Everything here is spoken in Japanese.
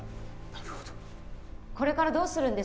なるほどこれからどうするんですか？